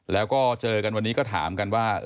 แล้วก็เจอกันวันนี้ก็ถามกันว่า